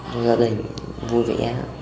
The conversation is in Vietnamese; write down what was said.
và gia đình vui vẻ